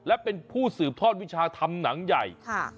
และเป็นผู้สืบทอดวิชาทำหนังใหญ่